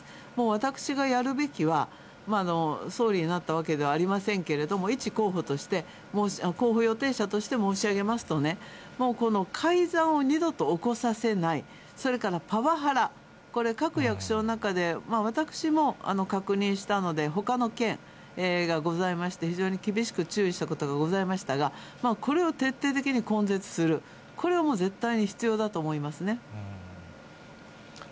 私がやるべきは、総理になったわけではありませんけれども、一候補として、候補予定者として申し上げますとね、もうこの改ざんを二度と起こさせない、それからパワハラ、これ、各役所の中で、私も確認したので、ほかの件がございまして、非常に厳しく注意したことがございましたが、これを徹底的に根絶する、これはもう絶対に必要だと思いますね。